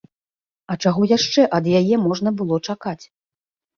А чаго яшчэ ад яе можна было чакаць?